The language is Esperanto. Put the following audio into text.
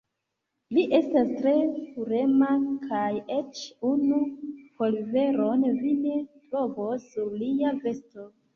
Li estas tre purema, kaj eĉ unu polveron vi ne trovos sur lia vesto.